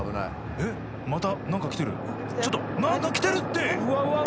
えっまた何か来てるちょっと何か来てるって！